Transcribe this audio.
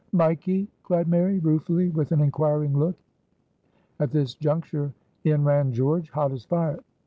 "Mikee?" cried Mary, ruefully, with an inquiring look. At this juncture in ran George, hot as fire.